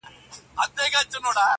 توري بڼي دي په سره لمر کي ځليږي!.